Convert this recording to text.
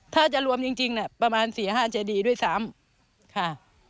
ถ้าจะรวมจริงประมาณ๔๕เจดีด้วยซ้ำค่ะ